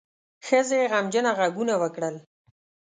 ښځې غمجنه غږونه وکړل.